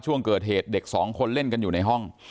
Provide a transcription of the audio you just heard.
ช่วงเกิดเหตุเด็กสองคนเล่นกันอยู่ในห้อง